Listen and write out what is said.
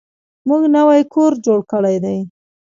موږ نوی کور جوړ کړی دی.